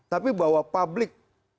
tapi bahwa publik